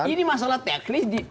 ini masalah teknis